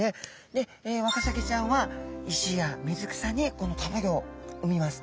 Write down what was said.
でワカサギちゃんは石や水草にこのたまギョを産みます。